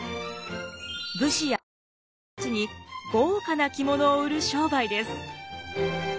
武士やその家族たちに豪華な着物を売る商売です。